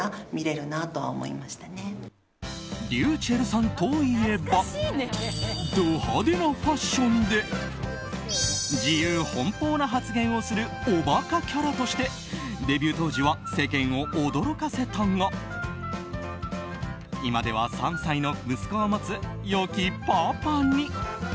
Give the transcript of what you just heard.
ｒｙｕｃｈｅｌｌさんといえばド派手なファッションで自由奔放な発言をするおバカキャラとしてデビュー当時は世間を驚かせたが今では、３歳の息子を持つ良きパパに。